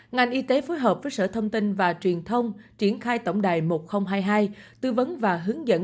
ngành y tế phối hợp với sở thông tin và truyền thông triển khai tổng đài một nghìn hai mươi hai tư vấn và hướng dẫn